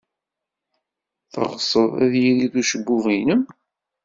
Teɣsed ad yirid ucebbub-nnem?